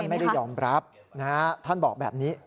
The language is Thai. ท่านไม่ได้ยอมรับท่านบอกแบบนี้